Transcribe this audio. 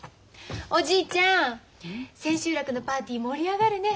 おじいちゃん千秋楽のパーティー盛り上がるね。